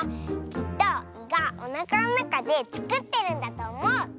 きっと「い」がおなかのなかでつくってるんだとおもう！